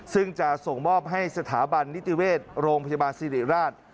ซึ่งจะส่งมอบให้สถาบันนิติเวชโรงพยาบาลสิริราช